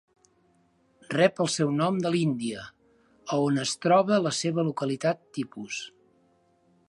Rep el seu nom de l'Índia, a on es troba la seva localitat tipus.